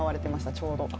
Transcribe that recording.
ちょうど。